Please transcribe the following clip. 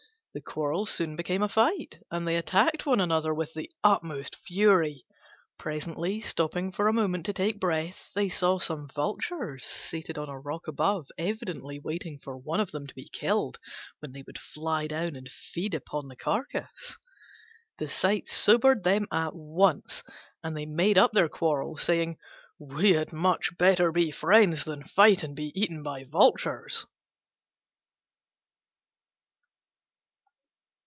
The quarrel soon became a fight and they attacked one another with the utmost fury. Presently, stopping for a moment to take breath, they saw some vultures seated on a rock above evidently waiting for one of them to be killed, when they would fly down and feed upon the carcase. The sight sobered them at once, and they made up their quarrel, saying, "We had much better be friends than fight and be eaten by vultures."